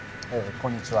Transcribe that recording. こんにちは。